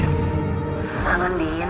ada apa mir